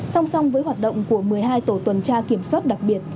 song song với hoạt động của một mươi hai tổ tuần tra kiểm soát đặc biệt